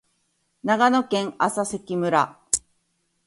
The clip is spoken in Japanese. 長野県麻績村